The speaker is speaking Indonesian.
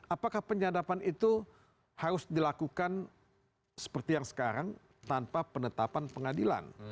apakah penyadapan itu harus dilakukan seperti yang sekarang tanpa penetapan pengadilan